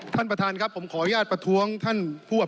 ท่านประธานครับผมขออนุญาตประท้วงท่านผู้อภิปรายครับ